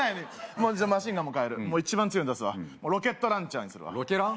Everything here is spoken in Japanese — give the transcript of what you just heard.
もうじゃあマシンガンも変える一番強いの出すわロケットランチャーにするわロケラン？